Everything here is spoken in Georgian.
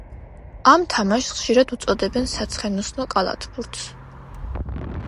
ამ თამაშს ხშირად უწოდებენ საცხენოსნო კალათბურთს.